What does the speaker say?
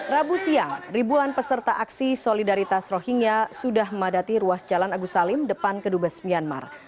rabu siang ribuan peserta aksi solidaritas rohingya sudah memadati ruas jalan agus salim depan kedubes myanmar